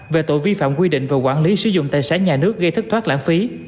về tội vi phạm quy định về quản lý sử dụng tài sản nhà nước gây thất thoát lãng phí